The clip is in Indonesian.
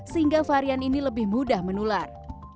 sehingga varian ini lebih mudah menular